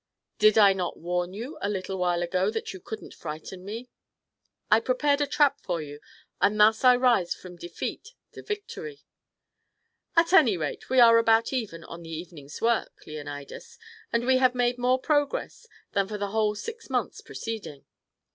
"Did I not warn you a little while ago that you couldn't frighten me? I prepared a trap for you, and thus I rise from defeat to victory." "At any rate we are about even on the evening's work, Leonidas, and we have made more progress than for the whole six months preceding.